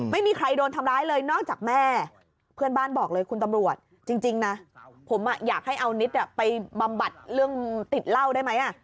ไม่มีใครโดนทำร้ายเลยนอกจากแม่เพื่อนบ้านบอกเลยคุณตำรวจจริงนะผมอยากให้เอานิดไปบำบัดเรื่องติดเหล้าได้ไหม